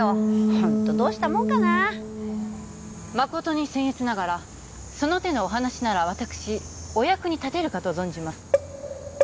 ホントどうしたもんかな誠に僭越ながらその手のお話なら私お役に立てるかと存じます